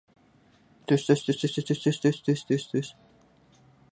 Dari manapun kamu melihatnya, dia terlihat seperti perempuan Inggris.